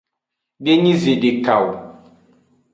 Denyi zedeka o.